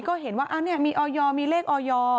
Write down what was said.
ก็เห็นว่าอันนี้มีออยอมีเลขออยอ